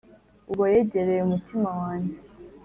Ubwo yegereye umutima wanjye